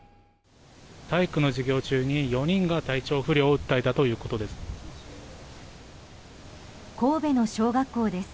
体育の授業中に４人が体調不良を訴えたということです。